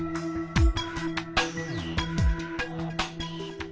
โปรดติดตามตอนต่อไป